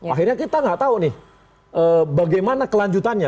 akhirnya kita nggak tahu nih bagaimana kelanjutannya